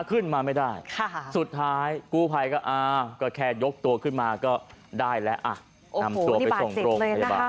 ขึ้นมาไม่ได้สุดท้ายกู้ภัยก็แค่ยกตัวขึ้นมาก็ได้แล้วนำตัวไปส่งโครง